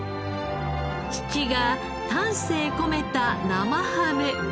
父が丹精込めた生ハム。